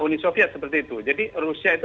uni soviet seperti itu jadi rusia itu